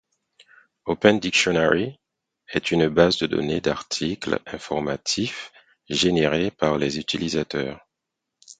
Open Dictionary est une base de données d'articles informatifs générés par les utilisateurs.